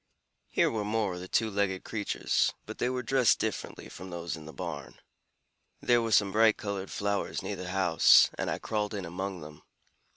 Here were more of the two legged creatures, but they were dressed differently from those in the barn. There were some bright colored flowers near the house, and I crawled in among them.